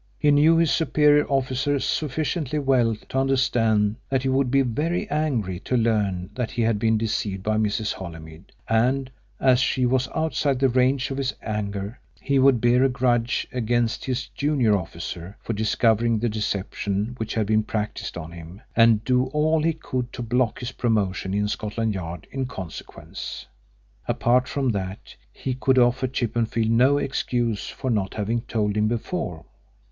He knew his superior officer sufficiently well to understand that he would be very angry to learn that he had been deceived by Mrs. Holymead, and, as she was outside the range of his anger, he would bear a grudge against his junior officer for discovering the deception which had been practised on him, and do all he could to block his promotion in Scotland Yard in consequence. Apart from that, he could offer Chippenfield no excuse for not having told him before.